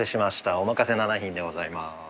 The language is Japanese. お任せ７品でございます。